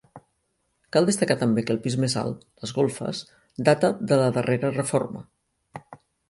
Cal destacar també que el pis més alt, les golfes, data de la darrera reforma.